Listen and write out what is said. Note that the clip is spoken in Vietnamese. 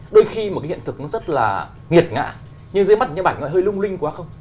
đôi khi mà hiện thực nó rất là nghiệt ngạ nhưng dưới mắt những bức ảnh nó hơi lung linh quá không